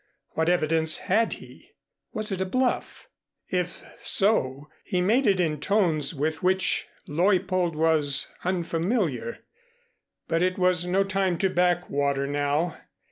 What evidence had he? Was it a bluff? If so, he made it in tones with which Leuppold was unfamiliar. But it was no time to back water now.